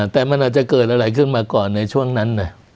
แต่มันอาจจะเกิดอะไรขึ้นมาก่อนในช่วงนั้น